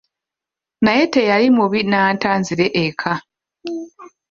Naye teyali mubi n'anta nzire eka.